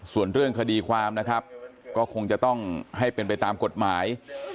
ส่วนเรื่องคดีความนะครับก็คงจะต้องให้เป็นไปตามกฎหมาย